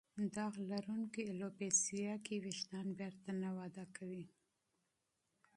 داغ لرونکې الوپیسیا کې وېښتان بېرته نه وده کوي.